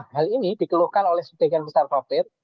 hal ini dikeluhkan oleh sebagian besar profit